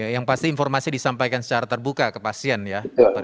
yang pasti informasi disampaikan secara terbuka ke pasien ya